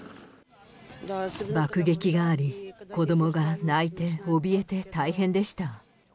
爆撃があり、子どもが泣いておびえて大変でした。